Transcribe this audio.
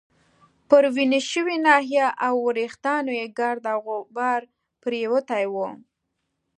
پر وینې شوې ناحیه او وریښتانو يې ګرد او غبار پرېوتی وو.